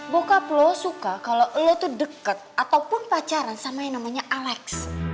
bokap lo suka kalau lo tuh deket ataupun pacaran sama yang namanya alex